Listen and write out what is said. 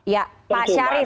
ya pak syarif